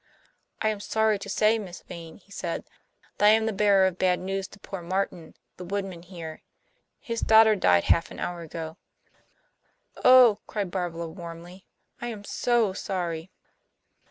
"I am sorry to say, Miss Vane," he said, "that I am the bearer of bad news to poor Martin, the woodman here. His daughter died half an hour ago." "Oh," cried Barbara warmly, "I am SO sorry!"